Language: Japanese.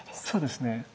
そうですね。